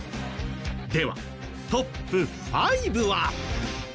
ではトップ５は？